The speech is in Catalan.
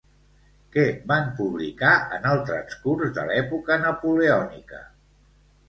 Què van publicar en el transcurs de l'època napoleònica?